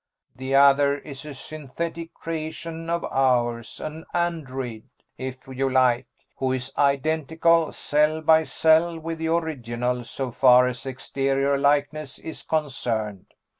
The other is a synthetic creation of ours an android, if you like, who is identical, cell by cell, with the original so far as exterior likeness is concerned.